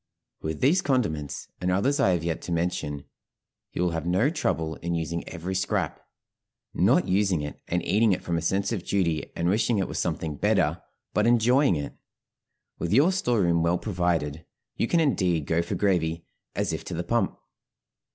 With these condiments and others I have yet to mention you will have no trouble in using every scrap; not using it and eating it from a sense of duty, and wishing it was something better, but enjoying it. With your store room well provided, you can indeed go for gravy "as if to the pump."